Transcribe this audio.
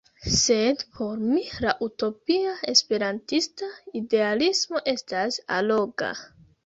Sed por mi la utopia esperantista idealismo estas alloga.